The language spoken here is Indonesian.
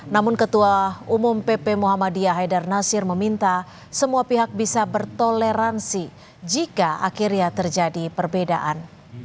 namun ketua umum pp muhammadiyah haidar nasir meminta semua pihak bisa bertoleransi jika akhirnya terjadi perbedaan